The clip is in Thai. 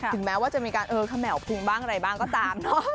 แม้ว่าจะมีการเออเขม่าวพุงบ้างอะไรบ้างก็ตามเนอะ